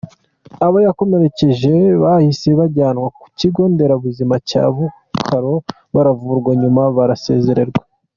Abo yakomerekeje bahise bajyanwa ku Kigo Nderabuzima cya Bukora, baravurwa nyuma barasezererwa.